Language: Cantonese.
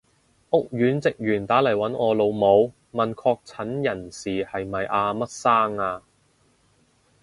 屋苑職員打嚟搵我老母，問確診人士係咪阿乜生啊？